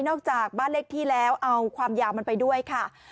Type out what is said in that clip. จากบ้านเลขที่แล้วเอาความยาวมันไปด้วยค่ะ